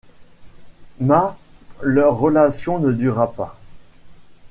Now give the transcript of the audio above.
Mas leur relation ne dura pas.